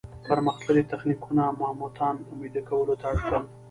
پرمختللي تخنیکونه ماموتان ویده کولو ته اړ کړل.